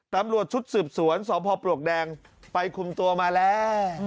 ตำรวจชุดสืบสวนสพปลวกแดงไปคุมตัวมาแล้ว